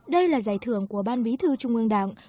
đây là giải thưởng của ban bí thư trung ương đảng